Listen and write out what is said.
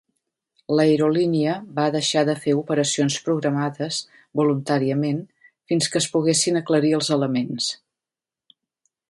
L'aerolínia va deixar de fer operacions programades voluntàriament fins que es poguessin aclarir els elements.